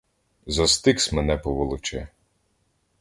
За Стикс мене поволоче.